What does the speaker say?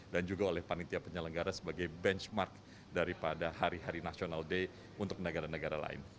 dan juga oleh panitia penyelenggara sebagai benchmark daripada hari hari national day untuk negara negara lain